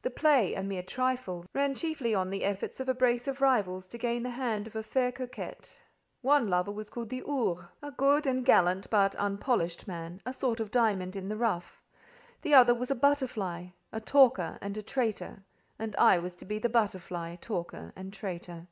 The play—a mere trifle—ran chiefly on the efforts of a brace of rivals to gain the hand of a fair coquette. One lover was called the "Ours," a good and gallant but unpolished man, a sort of diamond in the rough; the other was a butterfly, a talker, and a traitor: and I was to be the butterfly, talker, and traitor.